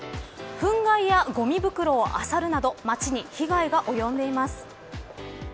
ふん害やごみ袋をあさるなど街に被害が及んでいます。